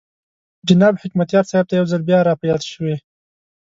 جناب حکمتیار صاحب ته یو ځل بیا را په یاد شوې.